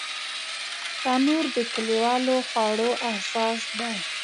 تنور د کلیوالو خوړو اساس دی